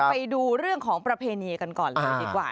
ไปดูเรื่องของประเพณีกันก่อนได้ไหม